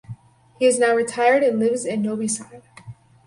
He is now retired and lives in Novi Sad.